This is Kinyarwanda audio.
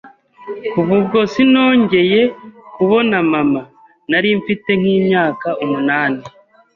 Kuva ubwo sinongeye kubona mama, nari mfite nk’imyaka umunani